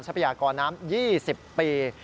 พยากรน้ำ๒๐ปี